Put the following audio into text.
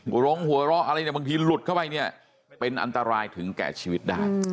ร้องหัวเราะอะไรเนี่ยบางทีหลุดเข้าไปเนี่ยเป็นอันตรายถึงแก่ชีวิตได้